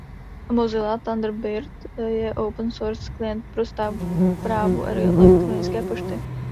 Mozilla Thunderbird je open source klient pro správu elektronické pošty.